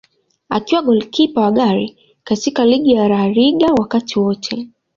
Akiwa golikipa wa ghali katika ligi ya La Liga wakati wote.